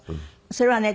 それはね